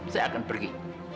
saya akan pergi